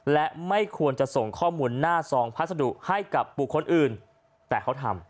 และไม่ควรจะส่งข้อมูลหน้าซองพัสดุให้กับบุคคลอื่นแต่เขาทำ